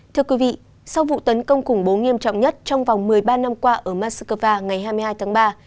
thưa quý vị sau vụ tấn công khủng bố nghiêm trọng nhất trong vòng một mươi ba năm qua ở moscow ngày hai mươi hai tháng ba